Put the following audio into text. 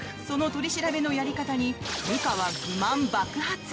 その取り調べのやり方に部下は不満爆発！